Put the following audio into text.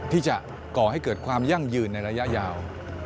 ที่จะก่อให้เกิดความยั่งยืนในระยะยาว